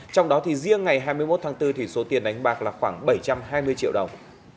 trong đó thì riêng ngày hai mươi một tháng bốn thì số tiền đánh bạc là khoảng bảy trăm hai mươi triệu đồng